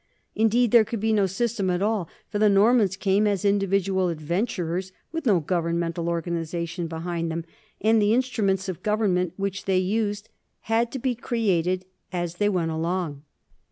Indeed there could be no system at all, for the Normans came as individual adventurers, with no governmental or ganization behind them, and the instruments of govern ment which they used had to be created as they went along.